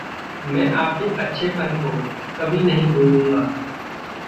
मैं आपके अच्छेपन को कभी नहीं भूलूँगा।